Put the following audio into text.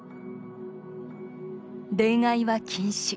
恋愛は禁止。